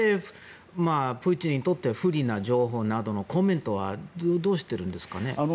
プーチンにとって不利な情報のコメントはどうしてるんですかね？